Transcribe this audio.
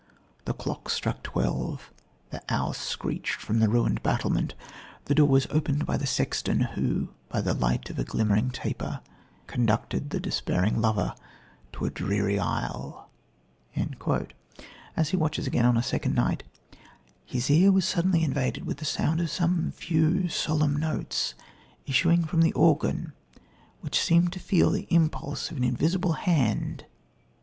The clock struck twelve, the owl screeched from the ruined battlement, the door was opened by the sexton, who, by the light of a glimmering taper, conducted the despairing lover to a dreary aisle." As he watches again on a second night: "His ear was suddenly invaded with the sound of some few, solemn notes, issuing from the organ which seemed to feel the impulse of an invisible hand